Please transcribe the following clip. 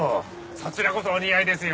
そちらこそお似合いですよ。